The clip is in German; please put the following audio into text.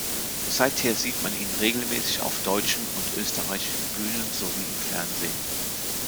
Seither sieht man ihn regelmäßig auf deutschen und österreichischen Bühnen sowie im Fernsehen.